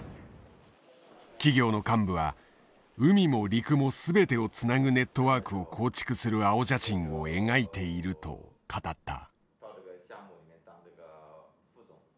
企業の幹部は海も陸も全てをつなぐネットワークを構築する青写真を描いていると語った。